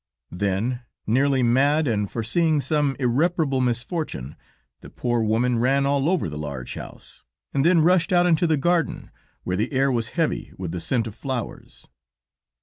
Then, nearly mad and foreseeing some irreparable misfortune, the poor woman ran all over the large house, and then rushed out into the garden, where the air was heavy with the scent of flowers.